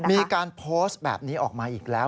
มีการโพสต์แบบนี้ออกมาอีกแล้ว